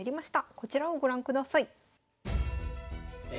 こちらをご覧ください。